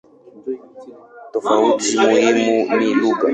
Tofauti muhimu ni lugha.